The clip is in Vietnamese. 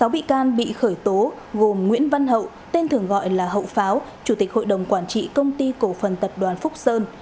sáu bị can bị khởi tố gồm nguyễn văn hậu tên thường gọi là hậu pháo chủ tịch hội đồng quản trị công ty cổ phần tập đoàn phúc sơn